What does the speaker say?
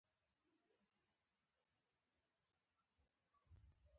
باز ډېر زیاتې چټکتیا لري